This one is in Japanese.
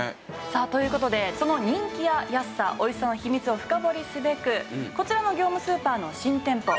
さあという事でその人気や安さ美味しさの秘密を深掘りすべくこちらの業務スーパーの新店舗